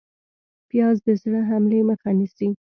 پیاز د زړه حملې مخه نیسي